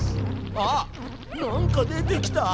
あっなんか出てきた。